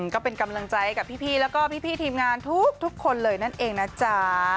ก็เป็นกำลังใจกับพี่แล้วก็พี่ทีมงานทุกคนเลยนั่นเองนะจ๊ะ